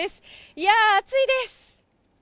いやー、暑いです。